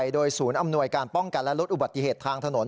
โดยศูนย์อำนวยการป้องกันและลดอุบัติเหตุทางถนน